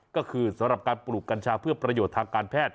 ก็คือสำหรับการปลูกกัญชาเพื่อประโยชน์ทางการแพทย์